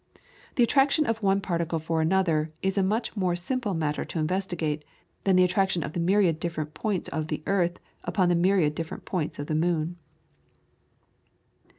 The attraction of one particle for another is a much more simple matter to investigate than the attraction of the myriad different points of the earth upon the myriad different points of the moon.